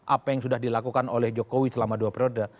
apa yang sudah dilakukan oleh jokowi selama dua periode